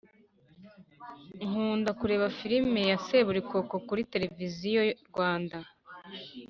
Nkunda kureba filime ya seburikoko kuri televiziyo Rwanda